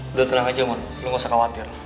udah tenang aja mon lo gak usah khawatir